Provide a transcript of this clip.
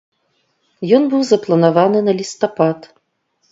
Ён быў запланаваны на лістапад.